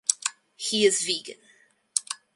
He is vegan.